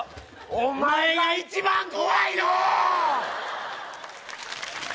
お前が一番怖いのー！